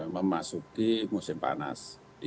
memasuki musim panas